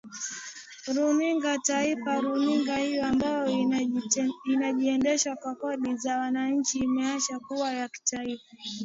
runinga taifa runinga hiyo ambayo inajiendesha kwa kodi za wananchi imeacha kuwa ya taifa